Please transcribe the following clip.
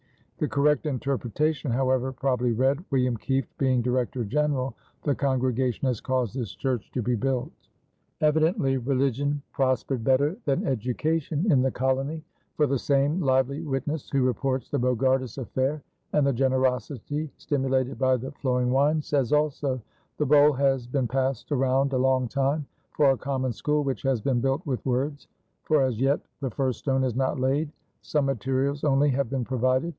The correct interpretation, however, probably read: "William Kieft being Director General, the congregation has caused this church to be built." Evidently religion prospered better than education in the colony, for the same lively witness who reports the Bogardus affair and the generosity stimulated by the flowing wine says also: "The bowl has been passed around a long time for a common school which has been built with words, for as yet the first stone is not laid; some materials only have been provided.